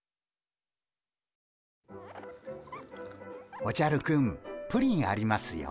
おじゃるくんプリンありますよ。